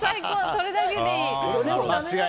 それだけでいい。